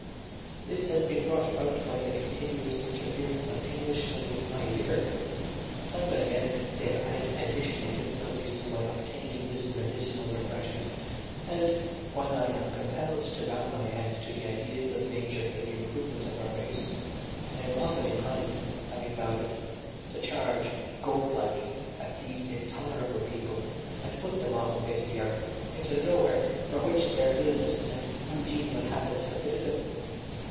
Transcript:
"This has been brought about by the continuous interference of Englishmen with my liquor. Time and again they have added additional difficulties to my obtaining this medicinal refreshment, and, while I am compelled to bow my head to the ideas of nature for the improvement of our race, I am often inclined, having bowed it, to charge goat like at these intolerable people and butt them off the face of the earth into the nowhere for which their villainous and ungenial habits have fitted them.